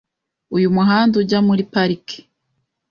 Uyu muhanda ujya muri parike .